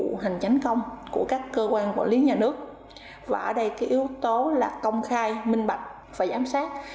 các dịch vụ hành tránh công của các cơ quan quản lý nhà nước và ở đây yếu tố là công khai minh bạch và giám sát